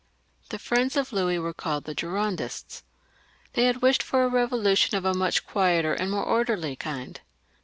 The friends of Louis were called the Girondists. They had wished for a revolution of a much quieter and more orderly kind.